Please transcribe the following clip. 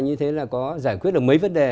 như thế là có giải quyết được mấy vấn đề